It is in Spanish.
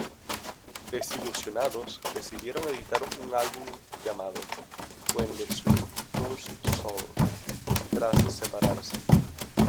Desilusionados, decidieron editar un álbum llamado "When the Sweet Turns Sour" tras separarse.